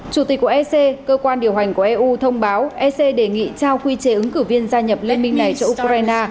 chủ tịch của ec cơ quan điều hành của eu thông báo ec đề nghị trao quy chế ứng cử viên gia nhập liên minh này cho ukraine